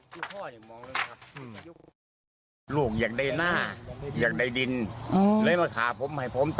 ฟันจนครับ